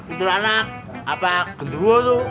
itu anak apa gendro itu